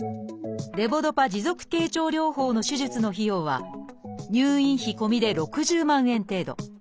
レボドパ持続経腸療法の手術の費用は入院費込みで６０万円程度。